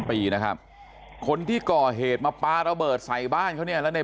ปีนะครับคนที่ก่อเหตุมาปลาระเบิดใส่บ้านเขาเนี่ยแล้วใน